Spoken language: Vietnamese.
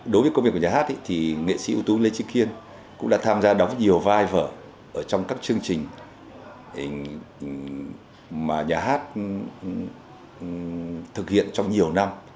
đối với công việc của nhà hát thì nghệ sĩ ưu tú lê trí kiên cũng đã tham gia đóng nhiều vai vở trong các chương trình mà nhà hát thực hiện trong nhiều năm